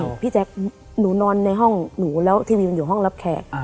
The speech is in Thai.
พี่แจ๊คหนูนอนในห้องหนูแล้วทีวีมันอยู่ห้องรับแขก